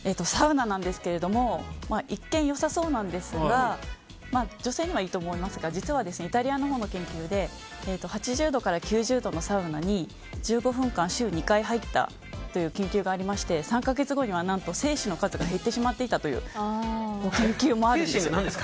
一見良さそうなんですが女性にはいいと思いますが実はイタリアのほうの研究で８０度から９０度のサウナに１５分間、週２回入ったという研究がありまして３か月後には精子の数が減ってしまっていたという研究もあるんです。